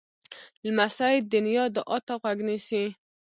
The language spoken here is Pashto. لمسی د نیا دعا ته غوږ نیسي.